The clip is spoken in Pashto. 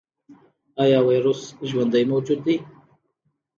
ایا ویروس ژوندی موجود دی؟